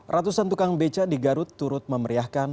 ratusan tukang beca di garut turut memeriahkan